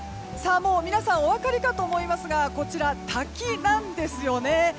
もう皆さんお分かりかと思いますがこちら滝なんですよね。